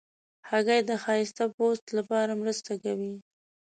هګۍ د ښایسته پوست لپاره مرسته کوي.